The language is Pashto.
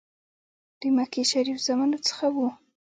د مکې شریف زامنو څخه وو.